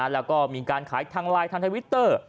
แล้วก็มีการขายทางไลน์ทางทวิตเตอร์